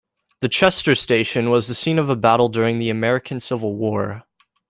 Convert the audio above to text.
The Chester Station was the scene of a battle during the American Civil War.